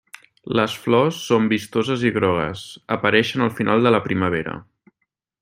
Les flors són vistoses i grogues, apareixen al final de la primavera.